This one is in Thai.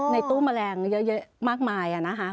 ในตู้แมลงเยอะมากมายนะคะ